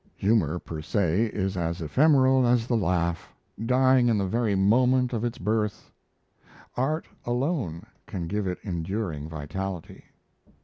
Humour per se is as ephemeral as the laugh dying in the very moment of its birth. Art alone can give it enduring vitality.